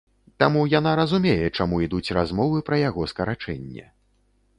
Таму яна разумее, чаму ідуць размовы пра яго скарачэнне.